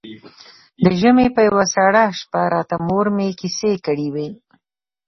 د ژمي په يوه سړه شپه راته مور مې کيسې کړې وې.